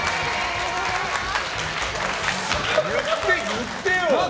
言ってよ！